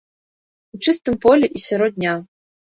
У чыстым полі і сярод дня.